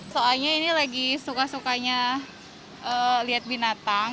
soalnya ini lagi suka sukanya lihat binatang